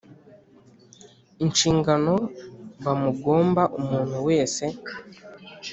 Inshingano bamugomba umuntu wese